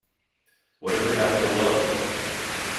Whatever Happened to Love?